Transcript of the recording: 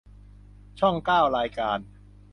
ช่องเก้า รายการ